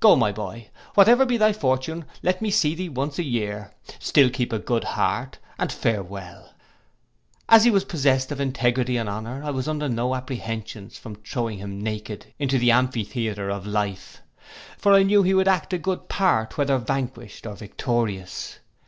Go, my boy, whatever be thy fortune let me see thee once a year; still keep a good heart, and farewell.' As he was possest of integrity and honour, I was under no apprehensions from throwing him naked into the amphitheatre of life; for I knew he would act a good part whether vanquished or victorious.